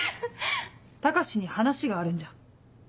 高志に話があるんじゃ？